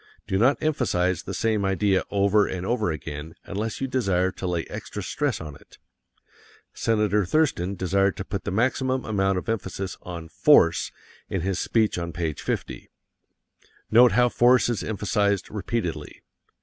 Do not emphasize the same idea over and over again unless you desire to lay extra stress on it; Senator Thurston desired to put the maximum amount of emphasis on "force" in his speech on page 50. Note how force is emphasized repeatedly.